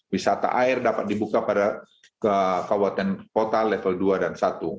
wisata air dapat dibuka pada kabupaten kota level dua dan satu